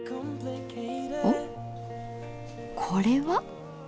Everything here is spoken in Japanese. おっこれは。